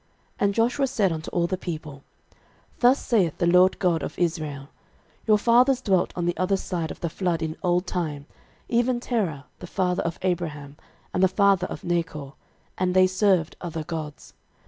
06:024:002 And Joshua said unto all the people, Thus saith the LORD God of Israel, Your fathers dwelt on the other side of the flood in old time, even Terah, the father of Abraham, and the father of Nachor: and they served other gods.